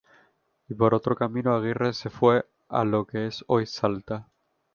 Y por otro camino, Aguirre se fue a lo que es hoy Salta.